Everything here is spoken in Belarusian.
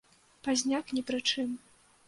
Пазняк ні пры чым.